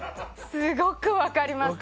すごく分かります。